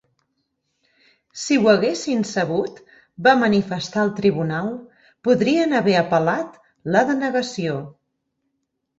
Si ho haguessin sabut, va manifestar el Tribunal, podrien haver apel·lat la denegació.